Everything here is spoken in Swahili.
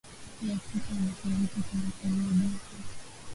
ya Afrika ya mashariki Tuna historia jinsi